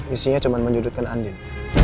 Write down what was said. isinya cuma menjudutkan andin